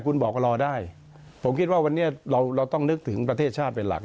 คุณบอกรอได้ผมคิดว่าวันนี้เราต้องนึกถึงประเทศชาติเป็นหลัก